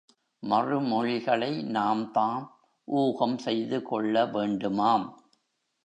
மறுமொழிகளை நாம்தாம் ஊகம் செய்து கொள்ளவேண்டுமாம்!